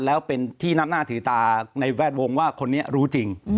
แล้วเป็นที่นับหน้าถือตาในแวดวงว่าคนนี้รู้จริง